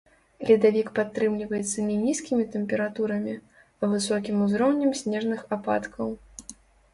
Ледавік падтрымліваецца не нізкімі тэмпературамі, а высокім узроўнем снежных ападкаў.